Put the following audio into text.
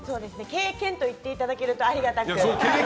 経験と言っていただけるとありがたく。